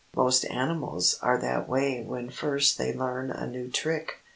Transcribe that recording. ] Most animals are that way when first they learn a new trick.